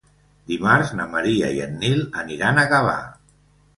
Dimarts na Maria i en Nil aniran a Gavà.